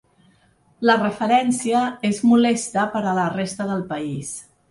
La referència és molesta per a la resta del país.